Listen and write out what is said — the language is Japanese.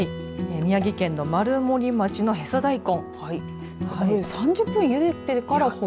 宮城県の丸森町のへそ大根。